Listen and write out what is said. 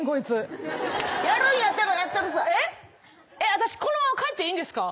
私このまま帰っていいんですか？